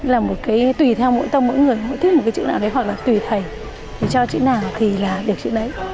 là một cái tùy theo mỗi tâm mỗi người mỗi thiết một cái chữ nào đấy hoặc là tùy thầy cho chữ nào thì là biểu chữ đấy